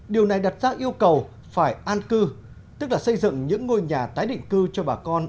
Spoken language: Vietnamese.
điều này đặt ra yêu cầu phải an cư tức là xây dựng những ngôi nhà tái định cư cho bà con